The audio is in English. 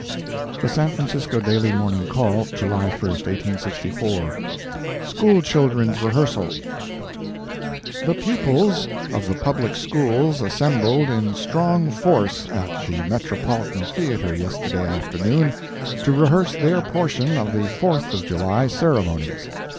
The San Francisco Daily Morning Call, July 1, 1864 SCHOOLCHILDREN'S REHEARSAL The pupils of the Public Schools assembled in strong force at the Metropolitan Theatre yesterday afternoon, to rehearse their portion of the Fourth of July ceremonies.